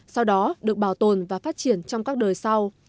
sau đó được bảo tồn và phát triển trong các đời sau